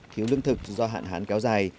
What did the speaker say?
thiếu lương thực do hạn hán kéo dài